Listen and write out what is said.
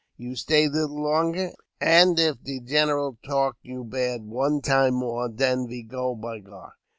You stay leetle longer, and if de general talk you bad one time more, den ve go, by gar.